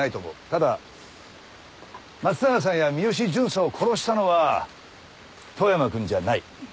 ただ松永さんや三好巡査を殺したのは富山くんじゃない。